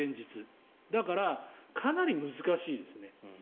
だから、かなり難しいですね。